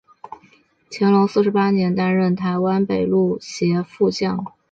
乾隆四十八年担任台湾北路协副将。